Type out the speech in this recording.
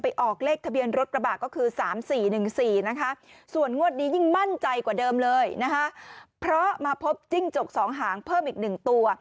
เพราะมาพบจิ้งจกสองหางเพิ่มอีกหนึ่งตัว